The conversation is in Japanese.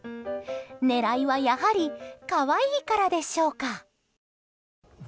狙いはやはり可愛いからでしょうか。